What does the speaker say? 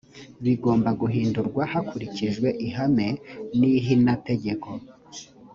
bigomba guhindurwa hakurikijwe ihame n’ ihinategeko